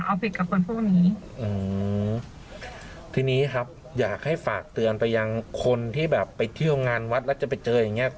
เอาผิดกับคนพวกนี้อืมทีนี้ครับอยากให้ฝากเตือนไปยังคนที่แบบไปเที่ยวงานวัดแล้วจะไปเจออย่างเงี้